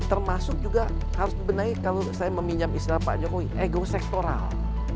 termasuk juga harus dibenahi kalau saya meminjam istilah pak jokowi ego sektoral